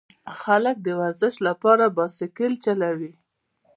خلک د ورزش لپاره بایسکل چلوي.